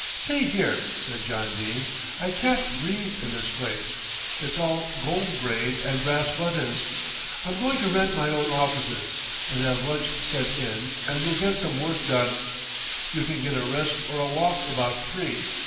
"See here," said John Dene, "I can't breathe in this place. It's all gold braid and brass buttons. I'm going to rent my own offices, and have lunch sent in and we'll get some work done. You can get a rest or a walk about three.